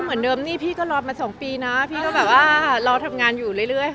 เหมือนเดิมนี่พี่ก็รอมา๒ปีนะพี่ก็แบบว่ารอทำงานอยู่เรื่อย